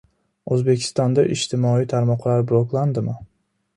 O‘zbekistonda ijtimoiy tarmoqlar bloklanadimi?